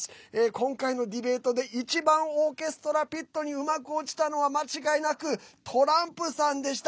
今回のディベートで一番オーケストラピットにうまく落ちたのは間違いなくトランプさんでした。